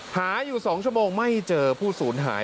หาอยู่๒ชั่วโมงไม่เจอผู้สูญหาย